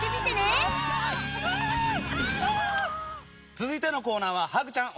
続いてのコーナーはハグちゃん